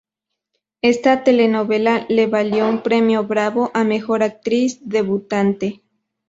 Esta telenovela le valió un Premio Bravo a mejor actriz debutante.